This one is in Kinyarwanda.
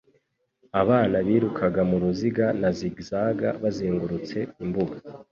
Abana birukaga mu ruziga na zigzags bazengurutse imbuga .